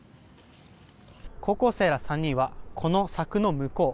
高校生ら３人はこの柵の向こう